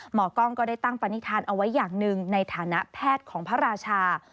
หมอกล้องก็ได้ตั้งปณิธานเอาไว้อย่างหนึ่งในฐานะแพทย์ของพระราชา